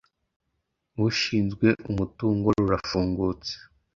ushinzwe umutungo rurafungutse